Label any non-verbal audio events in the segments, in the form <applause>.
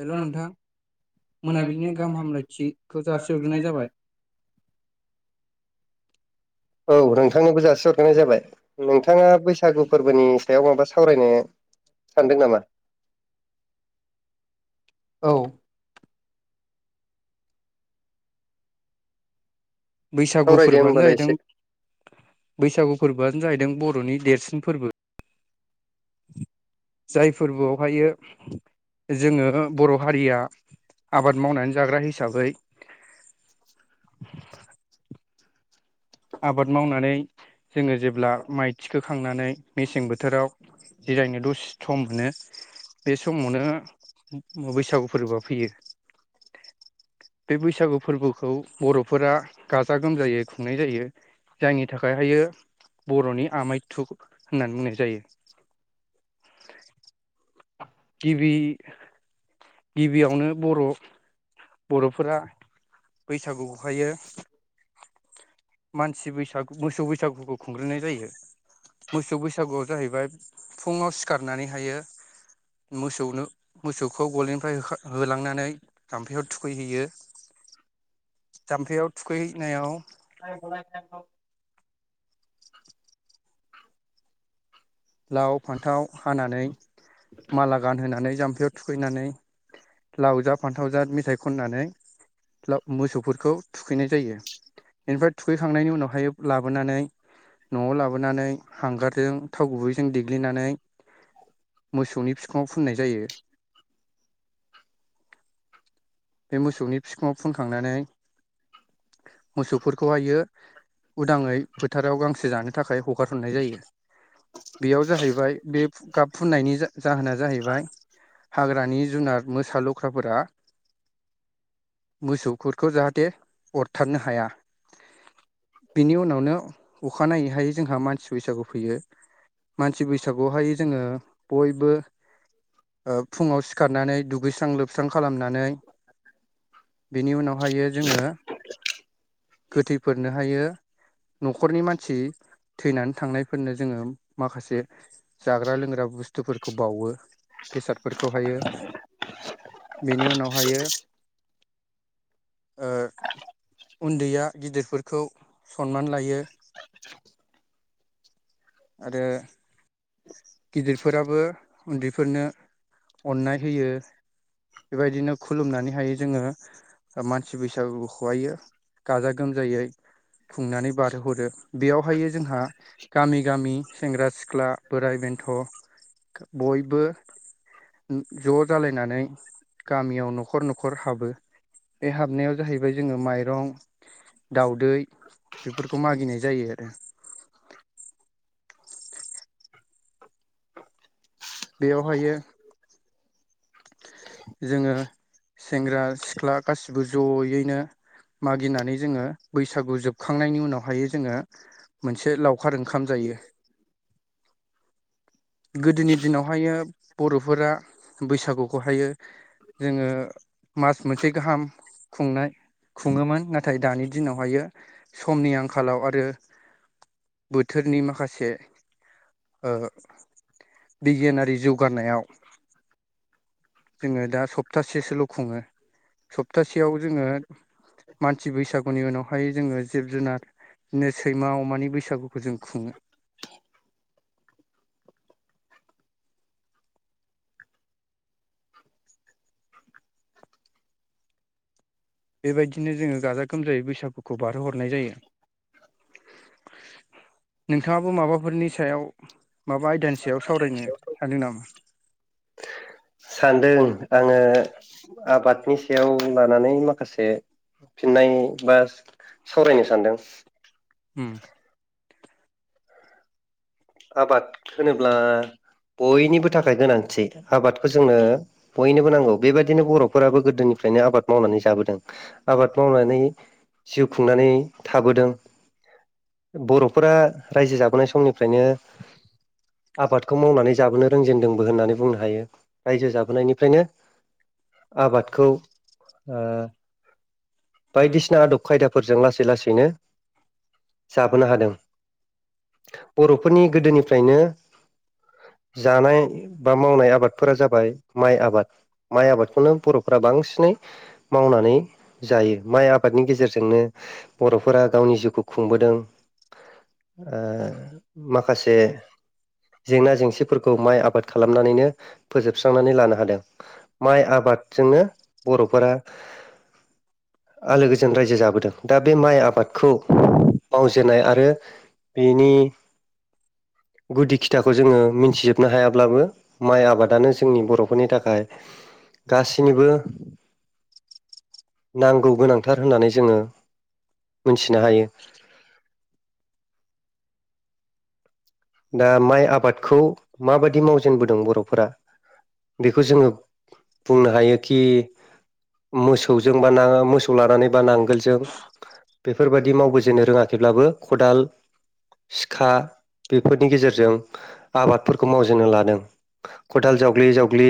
हेल' नोंथां मोनाबिलिनि गाहाम हामलायथिखौ जासिग्रोनाय जाबाय <unintelligible> <unintelligible> औ नोंथांनोबो जासि हरग्राय जाबाय नोंथाङा बैसागु फोरबोनि सायाव माबा स सावरायनो सानदों नामा औ बैसागु सावरायदो फोरबोआनो होमबालाय जाहैदों एसे बैसागु फोरबोआनो जाहैदों बर'नि देरसिन फोरबो जाय फोरबोआवहायो जोङो बर' हारिया आबाद मावनानै जाग्रा हिसाबै आबाद मावनानै जोङो जेब्ला माइ थिखोखांनानै मेसें बोथोराव जिरायनो दसे सम मोनो बे समावनो बैसागु फोरबोआ फैयो बे बैसागु फोरबोखौ बर'फोरा गाजा गोमजायै खुंनाय जायो जायनि थाखाय हायो बर'नि आमायथु होननानै बुंनाय जायो। गिबि गिबियावनो बर' बर'फोरा बैसागुखौ हायो। मानसि बैसागु मोसौ बैसागुखौ खुंग्रोननाय जायो। मोसौ बैसागुआव जाहैबाय फुङाव सिखारनानै हायो। मोसौनो मोसौखौ गलनिफ्राय होलांनानै जाम्फैयाव थुखैहैयो। जाम्फैयाव थुखैहैनायाव। <inaudible> <unintelligible> लाव फान्थाव हानानै माला गानहोनानै जाम्फैयाव थुखैनानै लाव जा फान्थाव जा मेथायाइ खननानै मोसौफोरखौ थुखैनाय जायो बेनिफ्राय थुखैखांनायनि उनावहाय लाबोनानै न'आव लाबोनानै हांगारजों थाव गुबै देग्लिनानै मोसौनि फिखुंङाव फुननाय जायो। <inaudible> बे मोसौनि फिखुङाव फुनखांनानै मोसौफोरखौहायो उदाङै फोथाराव गांसो जानो थाखाय हगारथ'नाय जायो। बेयाव जाहैबाय बे गाब फुननायनि जाहोना जाहैबाय। हाग्रानि जुनार मोसा, लख्राफोरा मोसौफोरखौ जाहाथे अरथारनो हाया। बिनि उनावनो अखानायै हायै जोंहा मानसि बैसागु फैयो मानसि बैसागुआवहाय जोङो बयबो फुङाव सिखारनानै दुगैस्रां लोबस्रां खालामनानै बेनि उनावहायो जोङो गोथैफोरनो हायो न'खरनि मानसि थैनानै थांनायफोरनो जोङो माखासे जाग्रा लोंग्रा बुस्थुफोरखौ बावो। बेसादफोरखौ हायो बेनि उनाव <inaudible> ओं। उन्दैया गिदिरफोरखौ सनमान लायो। आरो। गिदिरफोराबो उन्दैफोरनो अननाय होयो। बेबायदिनो खुलुमनानै हायो जोङो। मानसि बैसागुखौहायो गाजा गोमजायै खुंनानै बारहोहरो बेयावहाय जोंहा गामि गामि सेंग्रा सिख्ला बोराय बेन्थ' बयबो ज' जालायनानै गामियाव न'खर न'खर हाबो। बे हाबनायाव जाहैबाय जोङो माइरं दाउदै बेफोरखौ मागिनाय जायो आरो। बेयावहायो। जोङो सेंग्रा सिख्ला गासिबो जयैनो मागिनानै जोङो बैसागु जोबखांनायनि उनावहाय जोङो मोनसे लाव लावखार ओंखाम जायो। गोदोनि दिनावहायो बर'फोरा बैसागुखौहायो। जोङो मास मोनसे गाहाम खुंनाय खुङोमोन नाथाय दानि दिनावहायो समनि आंखालाव आरो। बोथोरनि माखासे। बिगियानारि जौगानायाव जोङो दा सप्तासेसोल' खुङो सप्तासेयाव जोङो। मानसि बैसागुनि उनावहाय जोङो जिब जुनार। बिदिनो सैमा अमानि बैसागुखौ जों खुङो <inaudible> <inaudible> बेबायदिनो जोङो गाजा गोमजायै बैसागुखौ बारहोहरनाय जायो नोंथाङाबो माबाफोरनि सायाव माबा आयदानि सायाव सावरायनो सानदों नामा सानदों आङो आबादनि सायाव लानानै माखासे फिननाय बा सावरायनो सानदों उ आबाद होनोब्ला बयनिबो थाखाय गोनांथि आबादखौ जोंनो बयनिबो नांगौ बेबायदिनो बर'फोराबो गोदोनि फ्रायनो आबाद मावनानै जाबोदों आबाद मावनानै जिउ खुंनानै थाबोदों बर'फोरा रायजो जाबोनाय समनिफ्रायनो <unintelligible> आबादखौ मावनानै जाबोनो रोंजेनदोंबो होननानै बुंनो हायो रायजो जाबोनायनिफ्रायनो आबादखौ ओ बायदिसिना आदब खायदाफोरजों लासै- लासैनो जाबोनो हादों बर'फोरनि गोदोनिफ्रायनो <unintelligible> जानाय बा मावनाय आबादफोरा जाबाय माइ आबाद माइ आबादखौनो बर'फोरारा बांसिनै मावनानै जायो माइ आबादनि गेजेरजोंनो बर'फोरा गावनि जिउखौ खुं <unintelligible> बोदों माखासे जेंना -जेंसिफोरखौ माइ आबाद खालामनानैनो फोजोबस्रांनानै लानो हादों। माइ आबादजोंनो बर'फोरा आलो गोजोन रायजो जाबोदों दा बे माइ आबादखौ मावजेननाय आरो बेनि <unintelligible> गुदि खिथाखौ जोङो मिथिजोबनो हायाब्लाबो माइ आबादानो जोंनि बर'फोरनि थाखाय गासिनिबो नांगौ गोनांथार होननानै जोङो मोनथिनो हायो। दा माइ आबादखौ माबायदि मावजेनबोदों बर'फोरा बेखौ जोङो बुंनो हायोखि मोसौजोंबा नाङ- मोसौ लानानैबा नांगोलजों बेफोरबायदि मावबोजेननो रोङाखैब्लाबो खदाल, सिखा बेफोरनि गेजेरजों आबादफोरखौ मावजेननो लादों। खदाल जावग्लि -जावग्लि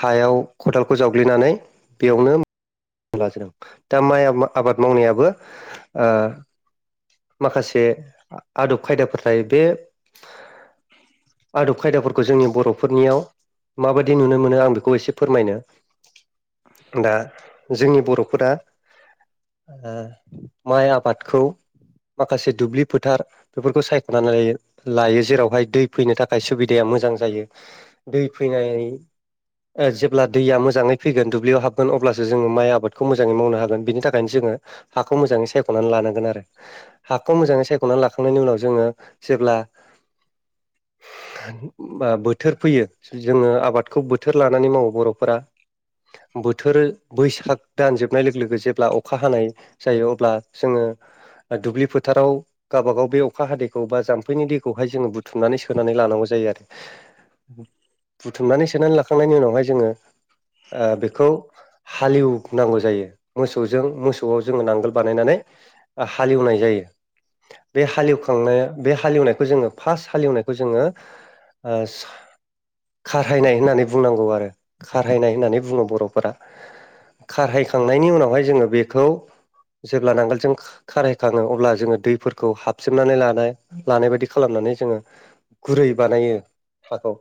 हायाव खदालखौ जावग्लिनानै बेयावनो लाजेनदों दा माइ आबाद मावनायाबो आ माखासे आदब खायदाफोर थायो बे आदब -खायदाफोरखौ जोंनि बर'फोरनियाव माबायदि नुनो मोनो आं बेखौ एसे फोरमायनो दा जोंनि बर'फोरा ओ माइ आबादखौ माखासे दुब्लि फोथार बेफोरखौ सायख'नानै लायो जेरावहाय दै फैनो थाखाय सुबिदाया मोजां जायो दै फैनो <unintelligible> जेब्ला दैया मोजाङै फैगोन दुब्लियाव हाबगोन अब्लासो जोङो माइ आबादखौ मोजाङै मावनो हागोन बेनि थाखायनो जोङो हाखौ मोजाङै सायख'ना लानांगोन आरो हाखौ मोजाङै सायख'ना खांनायनि उनाव जोङो जेब्ला <unintelligible> बोथोर फैयो जोङो आबादखौ बोथोर लानानै मावो बर'फोरा बोथोर बैसाग दानजोबनाय लोगो- लोगो जेब्ला अखा हानाय जायो अब्ला जोङो दुब्लि फोथाराव गावाबा-गाव बे अखा हादैखौ बा जाम्फैनि दैखौहाय जोङो बुथुमनानै सोनानै लानांगौ जायो आरो। बुथुमनानै सोनानै लाखांनायनि उनावहाय जोङो ओ बेखौ हालेवनांगौ जायो मोसौजों मोसौआव जोङो नांगोल बानायनानै हालेवनाय जायो। <unintelligible> बे हालेवखांनाया बे हालेवनायखौ जोङो फार्स्ट हालेवनायखौ जोङो सा-खारहायनाय होननानै बुंनांगौ आरो खारहायनाय होननानै बुङो बर'फोरा खारहायखांनायनि उनावहाय जोङो बेखौ जेब्ला नांगोलजों खार-खारहायखाङो अब्ला जोङो दैफोरखौ <unintelligible> हाबसबनानै लानाय लानाय बायदि खालामनानै जोङो गुरै बानायो। हाखौ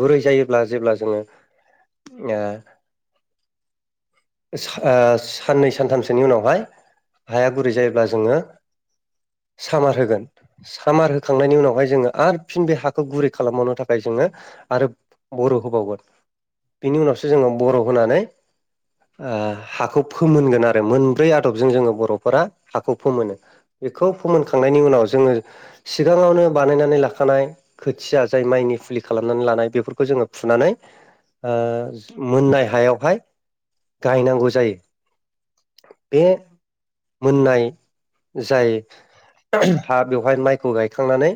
गुरै जायोब्ला जेब्ला जोङो साननै सानथामसोनि उनावहाय हाया गुरै जायोब्ला जोङो <unintelligible> सामार होगोन सामार होखांनायनि उनावहाय जोङो आरो फिन बे हाखौ गुरै खालामबावनो थाखाय जोङो आरो बर' होबावगोन बिनि उनावसो जोङो बर' होनानै हाखौ फोमोनगोन आरो मोनब्रै आदबजों जोङो बर'फोरा हाखौ फोमोनो बेखौ फोमोनखांनायनि उनाव जोङो सिगाङावनो बानायनानै लाखानाय खोथिया जाय माइनि फुलि खालामनानै लानाय बेफोरखौ जोङो फुनानै मोननाय हायावहाय गायनांगौ जायो बे मोननाय जाय हा बेवहाय माइखौ गायखांनानै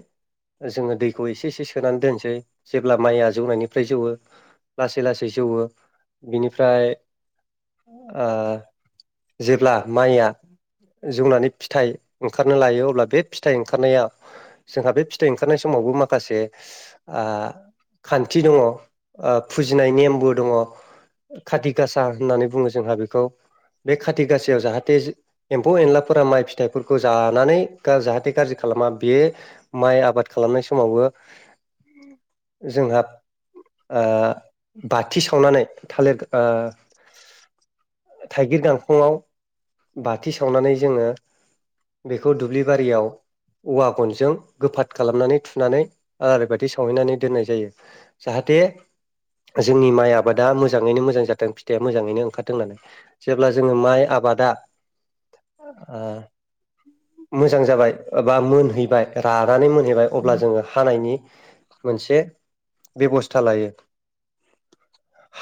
जोङो दैखौ एसे एसे सोनानै दोनसै जेब्ला माइया जौनायनिफ्राय जौवो लासै लासै जौवो बिनिफ्राय जेब्ला माइया जौनानै फिथाइ ओंखारनो लायो अब्ला बे फिथाइ ओंखारनाया जोंहा बे फिथाइ ओंखारनाय समावबो माखासे खान्थि दङ फुजिनाय नेमबो दङ खाथि गासा होननानै बुङो जोंहा बेखौ बे खाथि गाासयाव जाहाथे एम्फौ एनलाफोरा माइ फि फिथाइफोरखौ जानानै जाहाथे गाज्रि खालामा बे माइ आबाद खालामनाय समावबो <unintelligible> जोंहा ओ बाथि सावनानै थालिर थाइगिर गांखंआव बाथि सावनानै जोङो बेखौ दुब्लि बारियाव औवा गनजों गोफाथ खालामनानै थुनानै आलारि बायि सावहैनानै दोननाय जायो जाहाथे दे जोंनि माइ आबादा मोजाङैनो मोजां जादों फिथाइया मोजाङैनो ओंखारदों होननानै जेब्ला जोङो माइ आबाद बादा मोजां जाबाय बा मोनहैबाय रानानै मोनहैबाय अब्ला जोङो हानायनि मोनसे बेबस्था लायो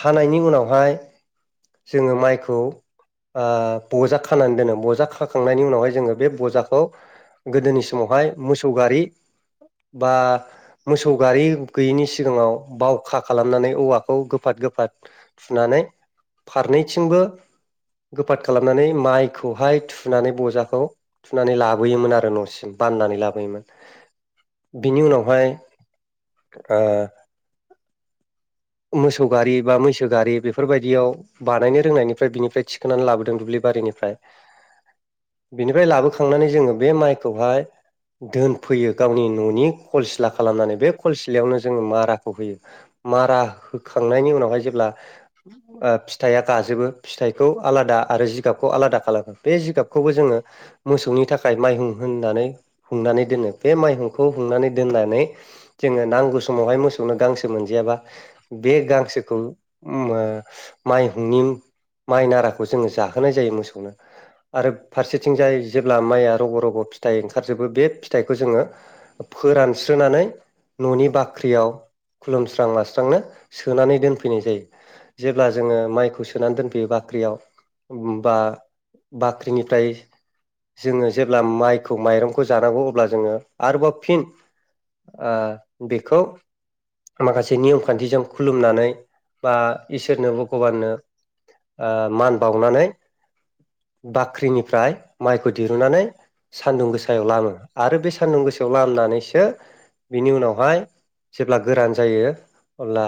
हानायनि उनावहाय जोङो माइखौ बजा खानानै दोनो बजा बोखांनायनि उनावहाय जोङो बे बजाखौ गोदोनि समावहाय मोसौ गारि बा मोसौ गारि गैयिनि सिगाङाव बावखा खालामनानै औवाखौ गोफाथ गोफाद थुनानै फारनैथिंबो गोफाद खालामनानै माइखौहाय थुनानै बजाखौ थुनानै लाबोयोमोन आरो न'सिम बाननानै लाबोयोमोन बिनि उनावहाय ओ <inaudible> मोसौ गारि बा मैसो गारि बेफोरबायदियाव बानायनो रोंनायनिफ्राय बिनिफ्राय थिखोननानै लाबोदों दुब्लिबारि निफ्राय <inaudible> बिनिफ्राय लाबोखांनानै जोङो बे माइखौहाय दोनफैयो गावनि न'नि खलसिला खालामनानै बे खलसिलायावनो जोङो माराखौ होयो मारा होखांनायनि उनावहाय जेब्ला ओ फिथाइया गाजोबो फिथाइखौ आलादा आरो जिगाबखौ आलादा खालामो बे जिगाबखौ खौबो जोङो मोसौनि थाखाय माइहुं हुमनानै हुंनानै दोनो बे माइहुंखौ हुंनानै दोन नानै जोङो नांगौ समावहाय मोसौनो गांसो मोनजायाबा बे गांसोखौ ओ माइ हुंनि माइ नाराखौ जोङो जाहोनाय जायो मोसौनो आरो फारसेथिंजाय जेब्ला माइया रग' रग' फिथाइ ओंखारजोबो बे फिथाइखौ जोङो फो रानस्रोनानै न'नि बाख्रियाव खुलुमस्रां लास्रांनो सोनानै दोनफैनाय जायो जेब्ला जोङो माइखौ सोनानै दोनफैयो बाख्रियाव बा बाख्रिनिफ्राय जोङो जेब्ला माइखौ माइरंखौ जानांगौ अब्ला जोङो आरोबाव फिन ओ बेखौ माखासे नियम खान्थिजों खुलुमनानै बा इसोरनो भगबाननो ओ मान बावनानै बाख्रिनिफ्राय माइखौ दिरुननानै सान्दुं गोसायाव लामो आरो बे सान्दुं गोसायाव लामनानैसो बिनि उनावहाय जेब्ला गोरान जायो अब्ला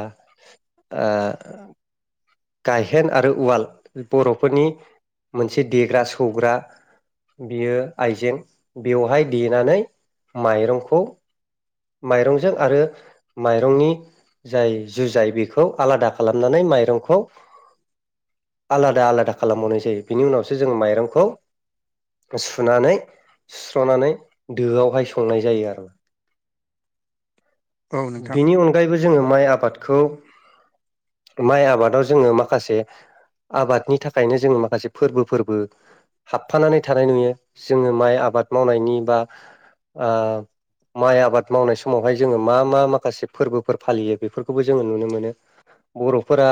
ओ गायहेन आरो उवाल बर'फोरनि मोनसे देग्रा सौग्रा बियो आइजें बेवहाय देनानै माइरंखौ माइरंजों आरो माइरंनि जाय जुजाय बेखौ आलादा खालामनानै माइरंखौ आलादा आलादा खालामबावनाय जायो बिनि उनावसो जोङो माइरंखौ सुनानै सुस्र'नानै दोआवहाय संनाय जायो आरो <inaudible> औ नोंथां बिनि अनगायैबो जोङो माइ आबादखौ माइ आबादाव ज जोङो माखासे आबादनि थाखायनो जोङो माखासे फोरबो फोरबो हाबफानानै थानाय नुयो जोङो माइ आबाद मावनायनि बा ओ माइ आबाद मावनाय समावहाय जोङो मा मा माखासे फोरबोफोर फालियो बेफोरखौबो जोङो नुनो मोनो बर'फोरा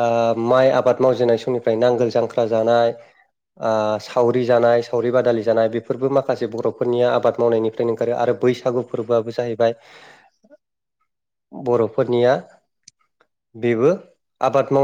ओ माइ आबाद मावजेननाय समनिफ्राय नांगोल जांख्रा जानाय ओ सावरि जानाय सावरि बादालि जानाय बेफोरबो माखासे बर'फोरनिया आबाद मावनायनिफ्राय ओंखारो आरो बैसागु फोरबोआबो जाहैबाय <inaudible> बर'फोरनिया बेबो आबाद माव